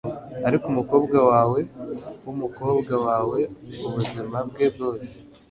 Ariko umukobwa wawe wumukobwa wawe ubuzima bwe bwose